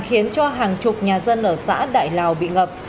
khiến cho hàng chục nhà dân ở xã đại lào bị ngập